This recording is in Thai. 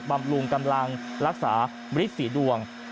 บำรุงกำลังรักษาฤทธิ์สีดวง